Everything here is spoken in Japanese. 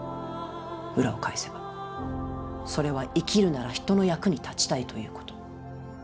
裏を返せばそれは生きるなら人の役に立ちたいということ。